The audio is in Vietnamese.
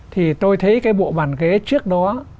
thì tôi thấy cái bộ bàn ghế trước đó